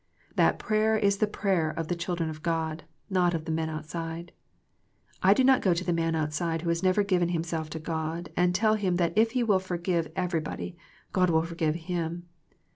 That prayer is the prayer of the children of God, not of the men outside. I do not go to the man out side who has never given himself to God and tell him that if he will forgive everybody, God will forgive him.